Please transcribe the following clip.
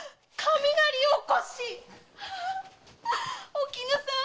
お絹さん